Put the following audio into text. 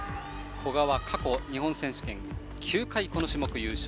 古賀は過去、日本選手権９回、この種目優勝。